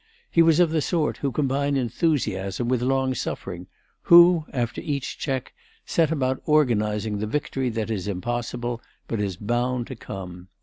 He was of the sort who combine enthusiasm with long suffering, who, after each check, set about organizing the victory that is impossible, but is bound to come.